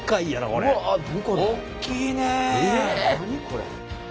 これ。